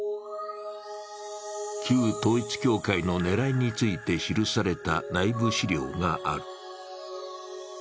旧統一教会の狙いについて記された内部資料がある。